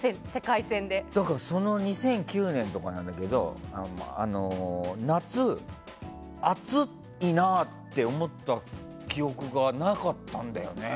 それが２００９年とかだけど夏、暑いなって思った記憶がなかったんだよね。